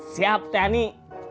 siap teh ani